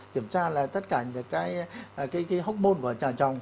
kiểm tra là tất cả những cái hốc môn của nhà chồng